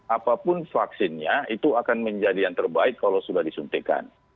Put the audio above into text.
apapun vaksinnya itu akan menjadi yang terbaik kalau sudah disuntikan